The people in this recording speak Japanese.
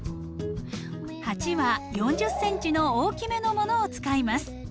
鉢は４０ｃｍの大きめのものを使います。